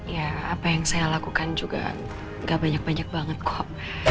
ya apa yang saya lakukan juga gak banyak banyak banget kok